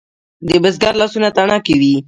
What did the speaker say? د بزګر لاسونه تڼاکې وي.